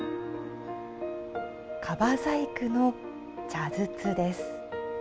樺細工の茶筒です。